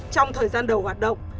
trong thời gian đầu hoạt động